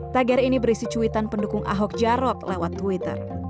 tagar ini berisi cuitan pendukung ahok jarot lewat twitter